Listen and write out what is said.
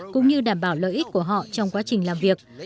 cũng như đảm bảo lợi ích của họ trong quá trình làm việc